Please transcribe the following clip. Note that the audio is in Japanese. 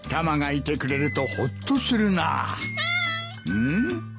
うん？